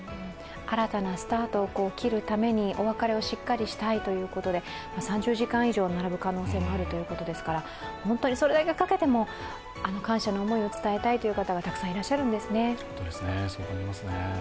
新たなスタートを切るためにお別れをしっかりしたいということで３０時間以上並ぶ可能性もあるということですから、本当にそれだけかけても感謝の思いを伝えたいという方がたくさんいらっしゃるんですね。